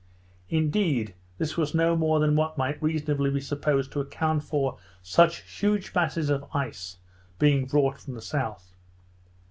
Indeed, this was no more than what might reasonably be supposed, to account for such huge masses of ice being brought from the south.